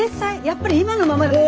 やっぱり今のままだと。